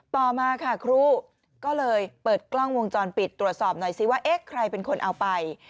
ต่อมาค่ะครูก็เลยเปิดกล้องวงจรปิดตรวจสอบหน่อยซิว่าเอ๊ะใครเป็นคนเอาไป